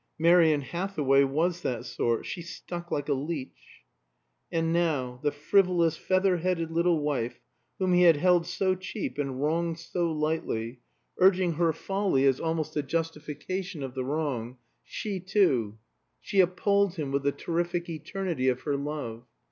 Marion Hathaway was that sort she stuck like a leech. And now the frivolous, feather headed little wife, whom he had held so cheap and wronged so lightly, urging her folly as almost a justification of the wrong, she too She appalled him with the terrific eternity of her love.